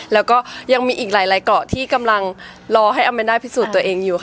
แล้วก็ยังมีอีกหลายเกาะที่กำลังรอให้อาเมนด้าพิสูจน์ตัวเองอยู่ค่ะ